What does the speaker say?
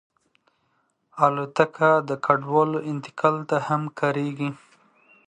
الوتکه د کډوالو انتقال ته هم کارېږي.